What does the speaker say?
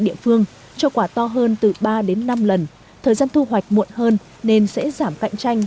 địa phương cho quả to hơn từ ba đến năm lần thời gian thu hoạch muộn hơn nên sẽ giảm cạnh tranh